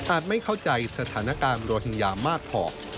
ไม่เข้าใจสถานการณ์โรฮิงญามากพอ